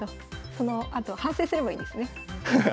そのあと反省すればいいんですね。